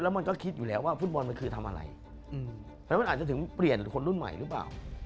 มันก็คิดอยู่แล้วว่าฟุตบอลมันคือทำอะไรแล้วมันอาจจะถึงเปลี่ยนคนรุ่นใหม่หรือเปล่า